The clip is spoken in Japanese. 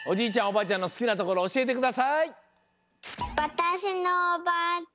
おばあちゃんのすきなところおしえてください！